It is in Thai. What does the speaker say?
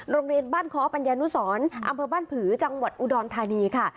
โรงเรียนบ้านค้อปัญญานุสรอำเภอบ้านผือจังหวัดอุดรธานีค่ะ